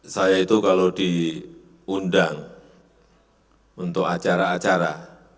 saya itu kalau diundang untuk acara acara